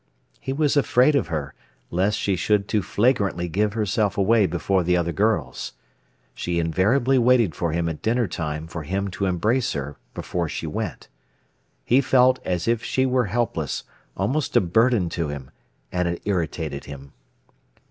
He was afraid of her, lest she should too flagrantly give herself away before the other girls. She invariably waited for him at dinnertime for him to embrace her before she went. He felt as if she were helpless, almost a burden to him, and it irritated him.